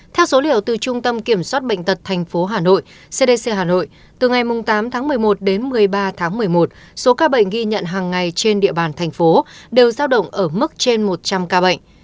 theo số liệu từ trung tâm kiểm soát bệnh tật tp hà nội cdc hà nội từ ngày tám tháng một mươi một đến một mươi ba tháng một mươi một số ca bệnh ghi nhận hàng ngày trên địa bàn thành phố đều giao động ở mức trên một trăm linh ca bệnh